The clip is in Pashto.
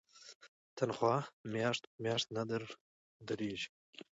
تنخوا میاشت په میاشت نه دریږي.